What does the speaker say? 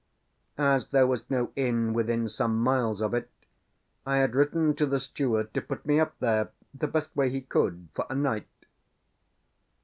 As there was no inn within some miles of it, I had written to the steward to put me up there, the best way he could, for a night.